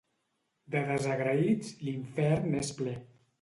De desagraïts, l'infern n'és ple.